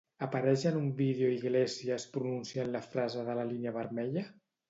Apareix en un vídeo Iglesias pronunciant la frase de la línia vermella?